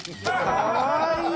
かわいい！